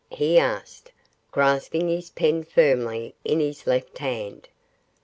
he asked, grasping his pen firmly in his left hand.